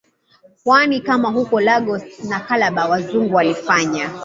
pwani kama huko Lagos na Calabar Wazungu walifanya